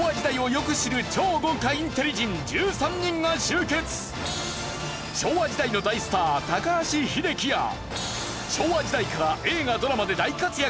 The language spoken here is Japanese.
そして今回昭和時代の大スター高橋英樹や昭和時代から映画ドラマで大活躍